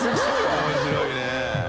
面白いね。